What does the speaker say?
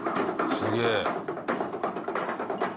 すげえ！